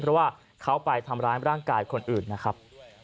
เพราะว่าเขาไปทำร้ายร่างกายคนอื่นนะครับ